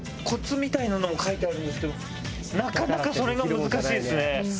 コツみたいなのも書いてあるんですけどなかなかそれが難しいですね。